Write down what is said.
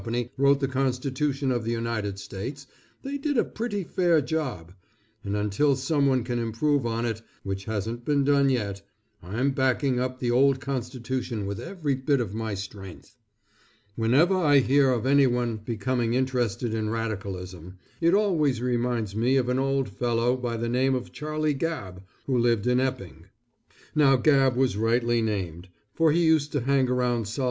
wrote the constitution of the United States they did a pretty fair job, and until some one can improve on it, which hasn't been done yet, I'm backing up the old constitution with every bit of my strength. Whenever I hear of anyone becoming interested in radicalism, it always reminds me of an old fellow by the name of Charlie Gabb who lived in Epping. Now Gabb was rightly named, for he used to hang around Sol.